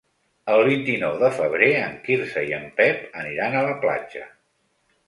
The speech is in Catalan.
El vint-i-nou de febrer en Quirze i en Pep aniran a la platja.